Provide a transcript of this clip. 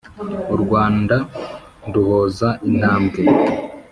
u rwanda nduhoza intambwe